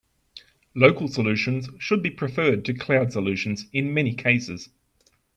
Local solutions should be preferred to cloud solutions in many cases.